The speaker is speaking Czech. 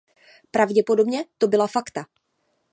Pravděpodobně to byla fakta.